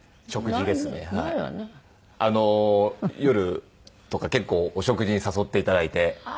夜とか結構お食事に誘っていただいて。